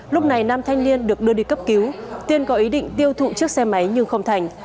lúc này nam thanh niên được đưa đi cấp cứu tiên có ý định tiêu thụ chiếc xe máy nhưng không thành